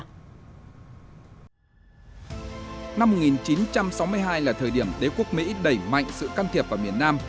năm một nghìn chín trăm sáu mươi hai là thời điểm đế quốc mỹ đẩy mạnh sự can thiệp vào miền nam